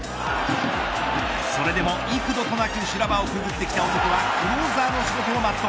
それでも幾度となく修羅場をくぐってきた男はクローザーの仕事を全う。